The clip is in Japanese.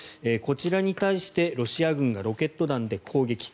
こちらに対してロシア軍がロケット弾で攻撃。